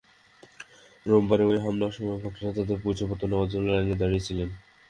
রোববারে ওই হামলার সময় ভোটাররা তাঁদের পরিচয়পত্র নেওয়ার জন্য লাইনে দাঁড়িয়ে ছিলেন।